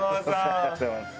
ありがとうございます。